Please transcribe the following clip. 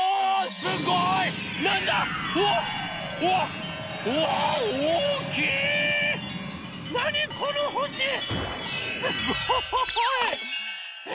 すごい！え？